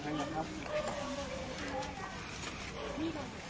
ตายอีกแล้ว